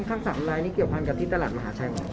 ทั้ง๓ลายนี้เกี่ยวพันธุ์กับทิศตลาดมหาชัยหรือ